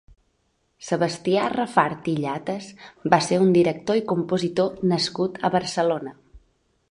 Sebastià Rafart i Llatas va ser un director i compositor nascut a Barcelona.